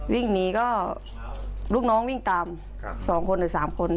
วิ่งหนีก็ลูกน้องวิ่งตาม๒คนหรือ๓คน